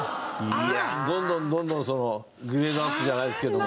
どんどんどんどんグレードアップじゃないですけども。